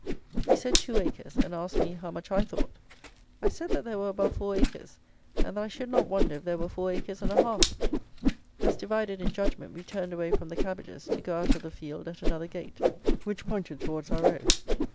He said, two acres: and asked me how much I thought. I said that there were above four acres, and that I should not wonder if there were four acres and a half. Thus divided in judgment, we turned away from the cabbages to go out of the field at another gate, which pointed towards our road.